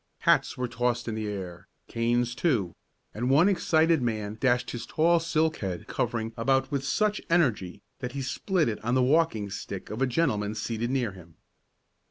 Hats were tossed in the air, canes too, and one excited man dashed his tall silk head covering about with such energy that he split it on the walking stick of a gentleman seated near him.